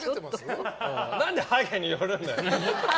何でハゲに寄るんだよ。